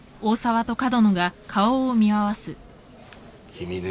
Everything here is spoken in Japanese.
君ね。